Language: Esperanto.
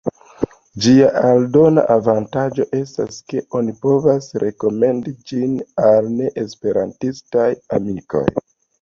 Ĝia aldona avantaĝo estas, ke oni povas rekomendi ĝin al neesperantistaj amikoj.